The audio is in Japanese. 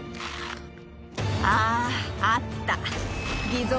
あぁあった。